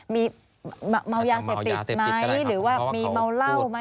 มีเมายาเสพติดไหมหรือว่ามีเมาเหล้าไหม